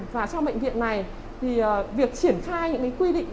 và trong bệnh viện này thì việc triển khai những quy định